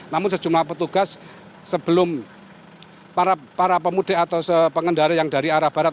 namun sejumlah petugas sebelum para pemudik atau pengendara yang dari arah barat